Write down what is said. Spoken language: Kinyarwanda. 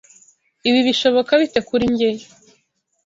Ibi bishoboka bite kuri njye?